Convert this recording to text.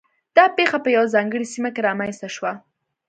دا پېښه په یوه ځانګړې سیمه کې رامنځته شوه.